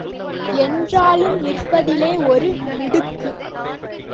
என்றாலும் நிற்பதிலே ஒரு மிடுக்கு.